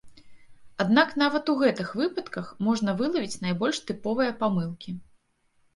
Аднак нават у гэтых выпадках можна вылавіць найбольш тыповыя памылкі.